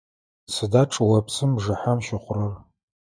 Сыда чӏыопсым бжыхьэм щыхъурэр?